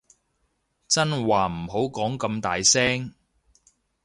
真話唔好講咁大聲